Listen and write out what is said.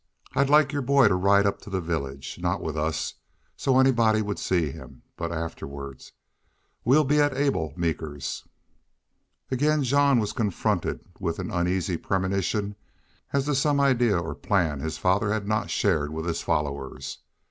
I'd like your boy to ride up to the village. Not with us, so anybody would see him. But afterward. We'll be at Abel Meeker's." Again Jean was confronted with an uneasy premonition as to some idea or plan his father had not shared with his followers.